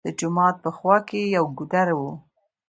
د جومات په خوا کښې يو ګودر وو